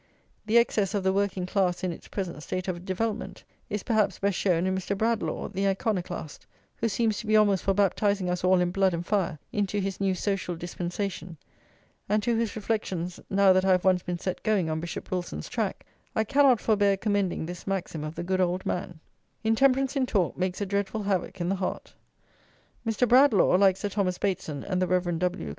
The excess of the working class, in its present state of development, is perhaps best shown in Mr. Bradlaugh, the iconoclast, who seems to be almost for baptizing us all in blood and fire into his new social dispensation, and to whose reflections, now that I have once been set going on Bishop Wilson's track, I cannot forbear commending this maxim of the good old man: "Intemperance in talk makes a dreadful havoc in the heart." Mr. Bradlaugh, like Sir Thomas Bateson and the Rev. W.